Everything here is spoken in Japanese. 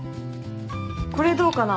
これどうかな？